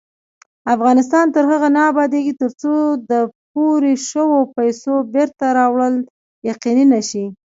افغانستان تر هغو نه ابادیږي، ترڅو د پورې شوو پیسو بېرته راوړل یقیني نشي.